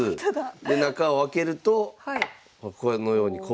で中を開けるとこのように駒が。